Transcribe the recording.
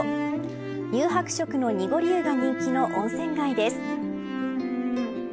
乳白色のにごり湯が人気の温泉街です